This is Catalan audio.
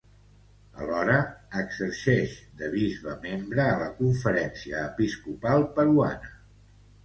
Alhora, exercix de bisbe membre a la Conferència Episcopal Peruana.